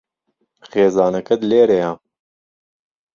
خێزانەکەت لێرەیە.